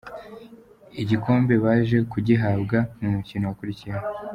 Igikombe baje kugihabwa ku mukino wakurikiyeho .